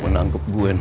menanggap gue nih